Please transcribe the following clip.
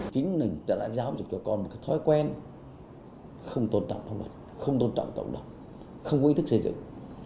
chính mình đã giáo dục cho con một thói quen không tôn trọng phong mặt không tôn trọng cộng đồng không có ý thức xây dựng